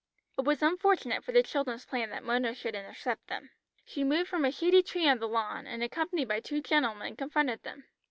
It was unfortunate for the children's plan that Mona should intercept them. She moved from a shady tree on the lawn, and accompanied by two gentlemen confronted them.